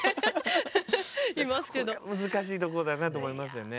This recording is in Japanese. そこが難しいとこだなと思いますよね。